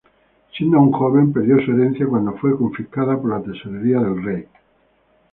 Siendo aún joven, perdió su herencia cuando fue confiscada por la tesorería del rey.